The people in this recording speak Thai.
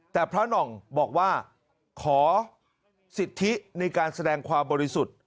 แต่พระหน่องบอกว่าขอสิทธิในการแสดงความบริสุทธิ์